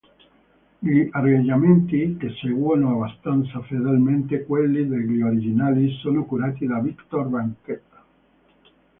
Gli arrangiamenti, che seguono abbastanza fedelmente quelli degli originali, sono curati da Victor Bacchetta.